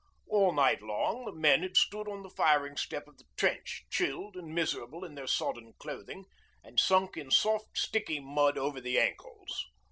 All night long the men had stood on the firing step of the trench, chilled and miserable in their sodden clothing, and sunk in soft sticky mud over the ankles.